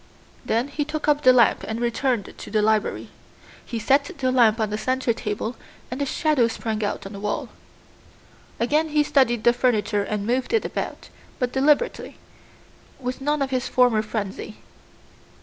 Then he took up the lamp and returned to the library. He set the lamp on the center table and the shadow sprang out on the wall. Again he studied the furniture and moved it about, but deliberately, with none of his former frenzy.